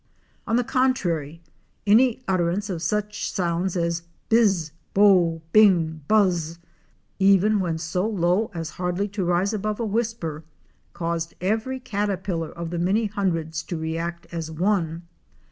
On the contrary, any utterance of such sounds as bis! bow! bing! buzz! even when so low as hardly to rise above a whisper, caused every caterpillar of the many hun dreds to react as one.